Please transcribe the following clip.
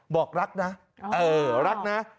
บอกลักนะเออลักนะ